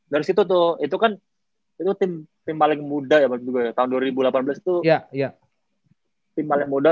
dari situ tuh itu kan itu tim paling muda ya tahun dua ribu delapan belas itu tim paling muda